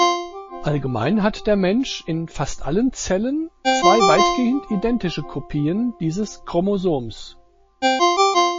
Allgemein hat der Mensch in fast allen Zellen zwei weitgehend identische Kopien dieses Chromosoms.